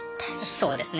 そうですね。